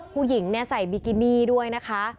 ผู้หญิงใส่บิกินี่ด้วยนะคะ